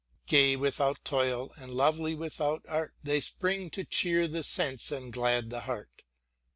Gay without toil and lovely without art, They spring to cheer the sense and glad the heart.